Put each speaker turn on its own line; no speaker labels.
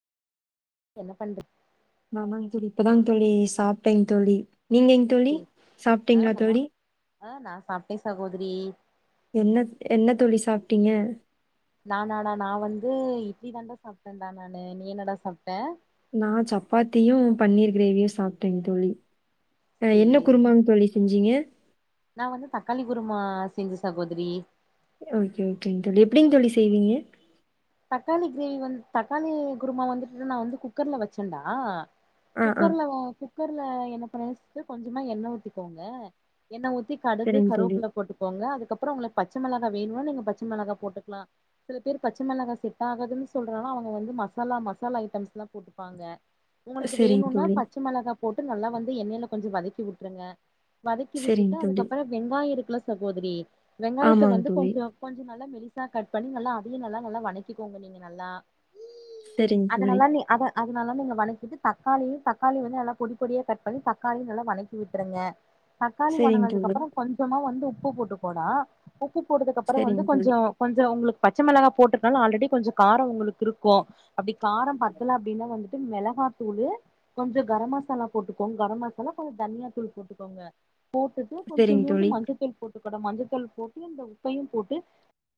என்ன பண்ற
ஆமாங் தோழி இப்பதாங் தோழி சாப்ட்டேங் தோழி நீங்கெங் தோழி
ஆ
சாப்பிட்டீங்ளா
நா
தோழி
ஆ நான் சாப்டே சகோத்ரி
என்ன என்ன தோழி சாப்ட்டீங்க
நானாடா நா வந்து இட்லி தாண்டா சாப்ட்டன்டா நானு நீ என்னடா சாப்ட
நா சப்பாத்தியு பன்னீர் கிரேவியு சாப்ட்டேங் தோழி அ என்ன
சேரி
குறுமாங் தோழி செஞ்சீங்க
நா வந்து தக்காளி குருமா செஞ்ச சகோதரி
ஓகே ஓகேங் தொழி எப்டிங் தோழி செய்வீங்க
தக்காளி கிரேவி வந்து தக்காளி குருமா வந்துட்டு நான் வந்து குக்கர்ல வச்சேன்டா
ஆ, ஆ.
குக்கர்ல வ குக்கர்ல என்ன பண்ணனு கொஞ்சமா எண்ண ஊத்திக்கோங்க எண்ண ஊத்தி தி கடுகு
சரிங்க தோழி.
கருவோப்ல போட்டுக்கோங்க அதுக் க்கப்ற உங்களுக்கு பச்சா மெளகா வேணு நீங்க பச்ச மெளகா போட்டுக்லா சில பேரு பச்ச மெளகா செட் ஆகாதுன் சொல்றலா அவுங்க வந்து மசாலா மசாலா ஐட்டம்ஸ்லா போட்ருப்பாங்க உங்களுக்கு
சரிங்க
வேணுனா
தோழி,
பச்ச மெளகா போட்டு நல்லா வந்து எண்ணெய்ல கொஞ்ச வதக்கி விட்ருங்க வதக்கி
சரிங்க
விட்டுட்டு
தோழி.
அதுக்கப்பற வெங்காய இருக்குல சகோதரி வெங்காயத்த
ஆமாங்க
வந்து
தோழி.
கொஞ்ச கொஞ்ச நறுக் நல்லா மெலிசா கட் பண்ணி நல்லா அதையு நல்லா நல்லா வணக்கிகோங்க நீங்க நல்லா
சரிங்க
அத
தோழி,
நல்லா நீ அத அ த நல்லா நீங்க வணக்கிட்டு தக்காளியு தக்காளி வந்து நல்லா பொடி பொடியா கட் பண்ணி தக்காளியு நல்லா வணக்கி விட்ருங்க தக்காளி
சரிங்க தோழி,
பண்ணுனதுக்கப்பற கொஞ்சமா வந்து உப்பு போட்டுக்கோடா உப் உப்பு போட்டதுக்கப்பற வந்து
சரிங்க தோழி,
கொஞ்சோ கொஞ்சோ உங்களுக்கு பச்ச மெளகா போட்ருக்னால ஆல்ரெ டி கொஞ்ச கார உங்களுக்கு இருக்கு அப்டி கார பத்தல அப்டினா வந்துட்டு மெளகாத்தூளு கொஞ்ச கர மசாலா போட்டுக்கோங் கர மசாலா கொஞ்ச தனியா தூள் போட்டுக்கோங்க போட்டுட்டு கொஞ்ச
சரிங்க
நூண்டு
தோழி.
மஞ்சத்தூள் போட்டுக்கடா மஞ்சத்தூள் போட்டு இந்த உப்பையு போட்டு